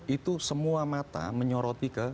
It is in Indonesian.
itu semua mata menyoroti ke